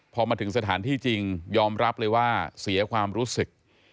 พอมาถึงสถานที่จริงยอมรับเลยว่าเสียความรู้สึก